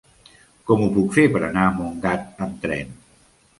Com ho puc fer per anar a Montgat amb tren?